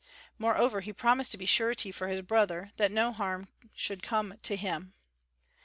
Moreover, he promised to be surety for his brother, that no harm should come to him.